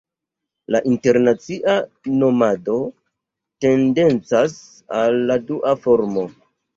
La internacia nomado tendencas al la dua formo.